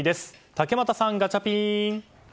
竹俣さん、ガチャピン。